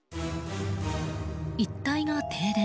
一帯が停電。